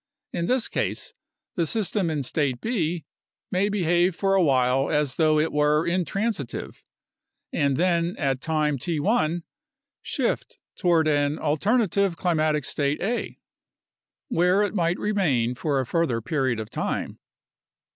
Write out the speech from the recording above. In this case, the system in state B may behave for a while as though it were intransitive, and then at time t x shift toward an alternate climatic state A, where it might re main for a further period of time.